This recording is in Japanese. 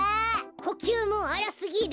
こきゅうもあらすぎる！